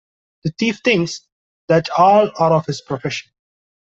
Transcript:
The thief thinks that all are of his profession.